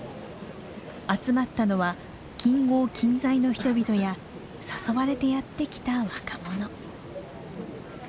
集まったのは近郷近在の人々や誘われてやって来た若者。